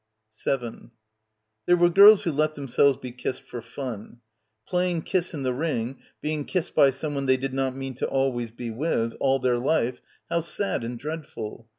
7 ... There were girls who let themselves be kissed for fun. ... Playing "Kiss in the Ring," being kissed by someone they did not mean to always be with, all their life ... how sad and dreadful.